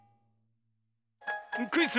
クイズ